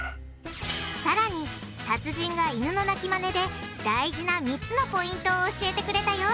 さらに達人がイヌの鳴きマネで大事な３つのポイントを教えてくれたよ